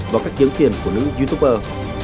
với các kiếm tiền của những youtuber